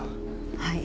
はい。